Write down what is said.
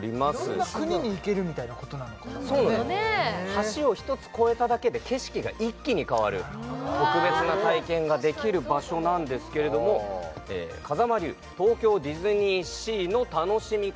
橋を一つ越えただけで景色が一気に変わる特別な体験ができる場所なんですけれども「風間流東京ディズニーシーの楽しみ方」